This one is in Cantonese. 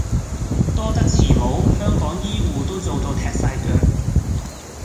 多得慈母，香港醫謢都做到踢曬腳